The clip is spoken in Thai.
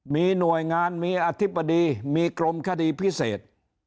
มีหน่วยงานมีอธิบดีมีกรมคดีพิเศษ